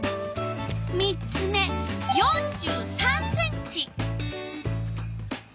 ３つ目４３ｃｍ。